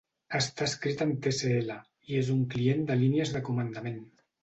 Està escrit en Tcl, i és un client de línies de comandament.